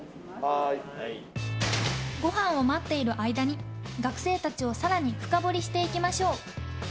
ごはんを待っている間に学生たちを更に深掘りしていきましょう。